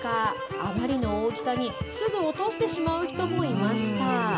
あまりの大きさに、すぐ落としてしまう人もいました。